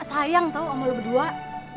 namanya cuman aja doang